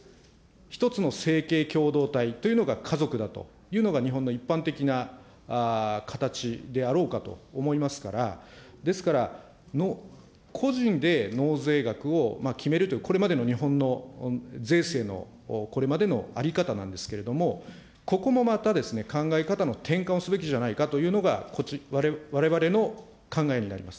１つの生計共同体というのが家族だというのが、日本の一般的な形であろうかと思いますから、ですから、個人で納税額を決めるという、これまでの日本の税制のこれまでの在り方なんですけども、ここもまた考え方の転換をすべきじゃないかというのが、われわれの考えになります。